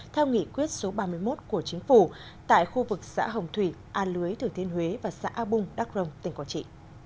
theo nghị quyết số ba mươi một của chính phủ tại khu vực xã hồng thủy a lưới thừa thiên huế và xã a bung đắk rông tỉnh quảng trị